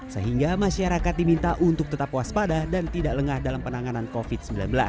sehingga masyarakat diminta untuk tetap waspada dan tidak lengah dalam penanganan covid sembilan belas